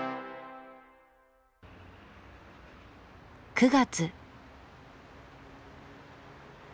９月。